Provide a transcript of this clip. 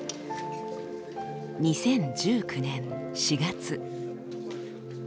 ２０１９年４月。